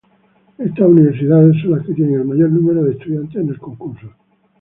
Estas universidades son las que tienen el mayor número de estudiantes en el concurso.